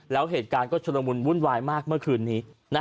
แล้วเหตุการณ์ก็ชุดละมุนวุ่นวายมากเมื่อคืนนี้